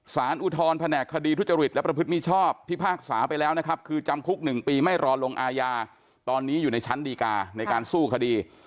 อุทธรณแผนกคดีทุจริตและประพฤติมิชอบพิพากษาไปแล้วนะครับคือจำคุก๑ปีไม่รอลงอาญาตอนนี้อยู่ในชั้นดีกาในการสู้คดี